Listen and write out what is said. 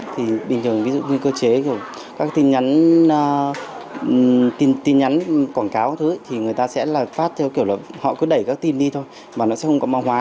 thì bình thường ví dụ như cơ chế các tin nhắn quảng cáo thì người ta sẽ phát theo kiểu là họ cứ đẩy các tin đi thôi và nó sẽ không có mạng hoa